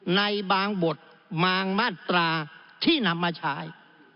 ในบางบทบางมาตราที่นำมาใช้